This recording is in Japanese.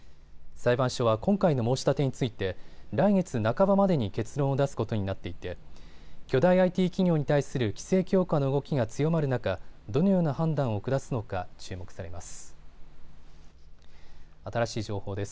裁判所は今回の申し立てについて来月半ばまでに結論を出すことになっていて巨大ＩＴ企業に対する規制強化の動きが強まる中、どのような判断を下すのか注目されます。